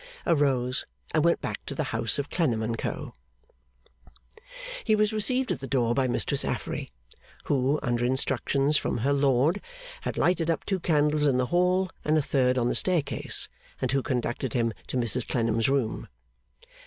arose and went back to the house of Clennam and Co. He was received at the door by Mistress Affery, who, under instructions from her lord, had lighted up two candles in the hall and a third on the staircase, and who conducted him to Mrs Clennam's room.